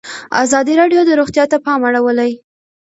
ازادي راډیو د روغتیا ته پام اړولی.